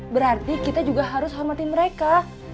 berarti kita juga harus hormati mereka